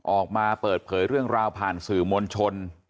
ออกมาเปิดเผยเรื่องราวผ่านสื่อมวลชน